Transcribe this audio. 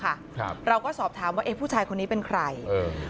ครับเราก็สอบถามว่าเอ๊ะผู้ชายคนนี้เป็นใครเออ